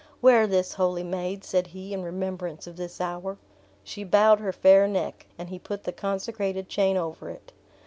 "Wear this, holy maid," said he, "in remembrance of this hour!" She bowed her fair neck, and he put the consecrated chain over it.